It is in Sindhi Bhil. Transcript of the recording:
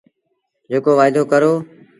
جيڪو وآئيدو ڪرو۔